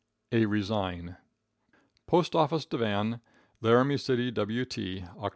A Resign. Postoffice Divan, Laramie City, W.T., Oct.